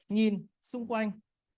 nhìn xung quanh